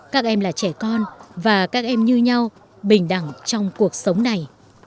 các em là trẻ con và các em như nhau bình đẳng trong cuộc sống này